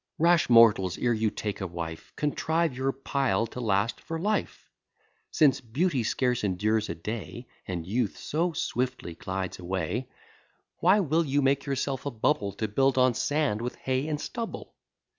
Rash mortals, ere you take a wife, Contrive your pile to last for life: Since beauty scarce endures a day, And youth so swiftly glides away; Why will you make yourself a bubble, To build on sand with hay and stubble?